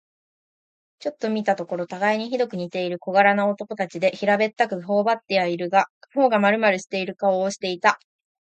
ちょっと見たところ、たがいにひどく似ている小柄な男たちで、平べったく、骨ばってはいるが、頬がまるまるしている顔をしていた。